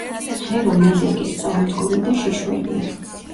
ღერო მედეგი, სწორმდგომი და შიშველია.